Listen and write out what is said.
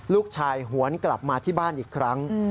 หวนกลับมาที่บ้านอีกครั้ง